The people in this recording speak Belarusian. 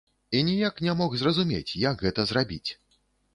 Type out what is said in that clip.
І ніяк не мог зразумець, як гэта зрабіць.